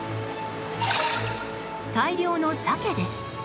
大量のサケです。